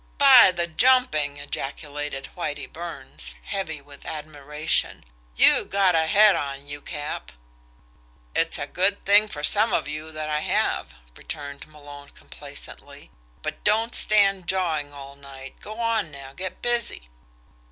"By the jumping!" ejaculated Whitie Burns, heavy with admiration. "You got a head on you, Cap!" "It's a good thing for some of you that I have," returned Malone complacently. "But don't stand jawing all night. Go on, now get busy!"